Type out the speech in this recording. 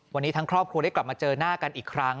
วันนี้ทั้งครอบครัวได้กลับมาเจอหน้ากันอีกครั้ง